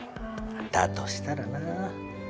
だとしたらな。